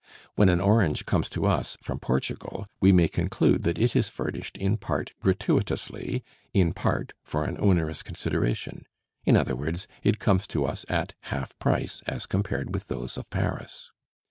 When an orange comes to us from Portugal, we may conclude that it is furnished in part gratuitously, in part for an onerous consideration; in other words, it comes to us at half price as compared with those of Paris.